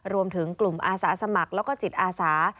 รวมถึงกลุ่มอาสาสมัครแล้วก็จิตอาสา